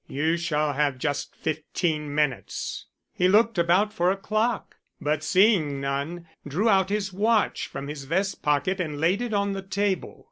You shall have just fifteen minutes." He looked about for a clock, but seeing none drew out his watch from his vest pocket and laid it on the table.